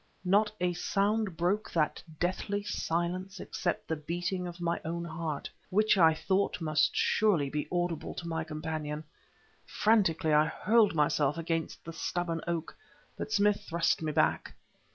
Not a sound broke that deathly stillness except the beating of my own heart, which, I thought, must surely be audible to my companion. Frantically I hurled myself against the stubborn oak, but Smith thrust me back.